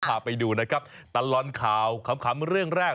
พาไปดูนะครับตลอดข่าวขำเรื่องแรก